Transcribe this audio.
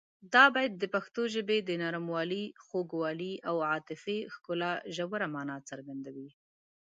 دا بیت د پښتو ژبې د نرموالي، خوږوالي او عاطفي ښکلا ژوره مانا څرګندوي.